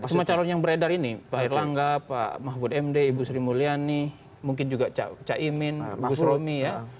semua calon yang beredar ini pak erlangga pak mahfud md ibu sri mulyani mungkin juga cak imin ibu shromi ya